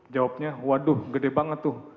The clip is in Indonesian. jawabnya waduh gede banget tuh